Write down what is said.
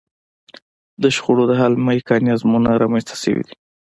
د شخړو د حل میکانیزمونه رامنځته شوي دي